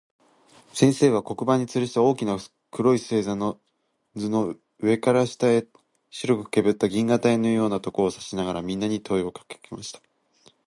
先生は、黒板に吊つるした大きな黒い星座の図の、上から下へ白くけぶった銀河帯のようなところを指さしながら、みんなに問といをかけました。